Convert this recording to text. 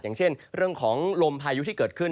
อย่างเช่นเรื่องของลมพายุที่เกิดขึ้น